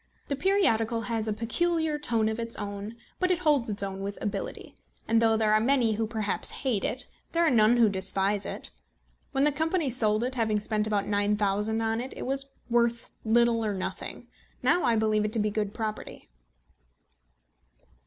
The periodical has a peculiar tone of its own; but it holds its own with ability, and though there are many who perhaps hate it, there are none who despise it. When the company sold it, having spent about £9000 on it, it was worth little or nothing. Now I believe it to be a good property.